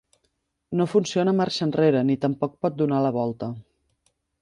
No funciona marxa enrere, ni tampoc pot donar la volta.